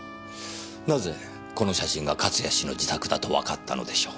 なぜこの写真が勝谷氏の自宅だとわかったのでしょう？